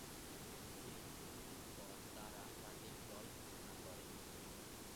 এর দুইদিন পর তারা তাদের দল ঘোষণা করে।